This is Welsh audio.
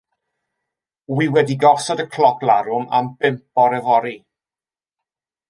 Wi wedi gosod y cloc larwm am bump bore fory.